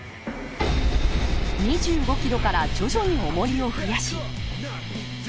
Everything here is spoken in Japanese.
２５キロから徐々におもりを増やし。